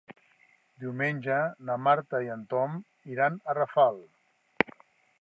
Diumenge na Marta i en Tom iran a Rafal.